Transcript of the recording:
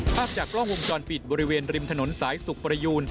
ภาพจากกล้องวงจรปิดบริเวณริมถนนสายสุขประยูน